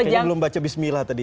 saya belum baca bismillah tadi